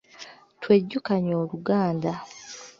Twejjukanye Oluganda.